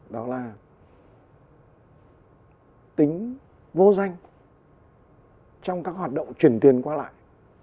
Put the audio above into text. đó là tính vô danh trong các hoạt động chuyển tiền qua lại